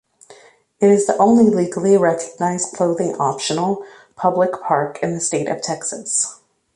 It is the only legally recognized clothing-optional public park in the State of Texas.